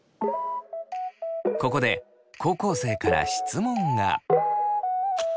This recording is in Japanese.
ここで高校生から質問が。